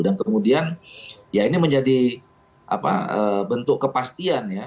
dan kemudian ya ini menjadi bentuk kepastian ya